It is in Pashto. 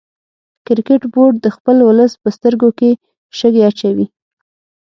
کرکټ بورډ د خپل ولس په سترګو کې شګې اچوي